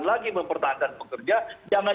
lagi mempertahankan pekerja jangan